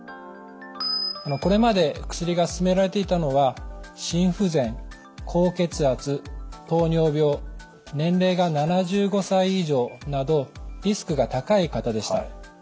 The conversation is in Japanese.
これまで薬が勧められていたのは心不全高血圧糖尿病年齢が７５歳以上などリスクが高い方でした。